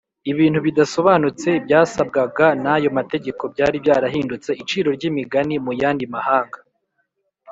Ibintu bidasobanutse byasabwagwa n’ayo mategeko byari byarahindutse iciro ry’imigani mu yandi mahanga.